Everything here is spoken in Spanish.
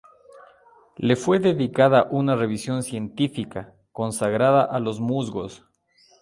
Le fue dedicada una revisión científica, consagrada a los musgos.